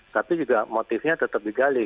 tapi juga motifnya tetap digali